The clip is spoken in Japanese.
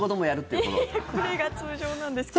いや、これが通常なんですけどね。